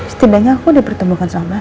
setidaknya aku dipertumbuhkan sama mas alka